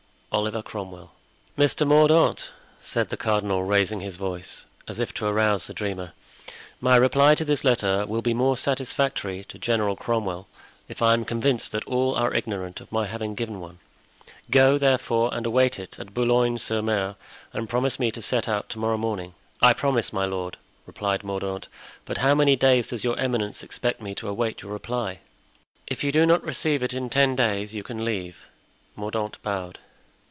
"Oliver Cromwell." "Mr. Mordaunt," said the cardinal, raising his voice, as if to arouse the dreamer, "my reply to this letter will be more satisfactory to General Cromwell if I am convinced that all are ignorant of my having given one; go, therefore, and await it at Boulogne sur Mer, and promise me to set out to morrow morning." "I promise, my lord," replied Mordaunt; "but how many days does your eminence expect me to await your reply?" "If you do not receive it in ten days you can leave." Mordaunt bowed.